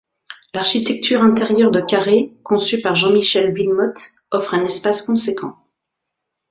L’architecture intérieure de carrés, conçue par Jean-Michel Wilmotte, offre un espace conséquent.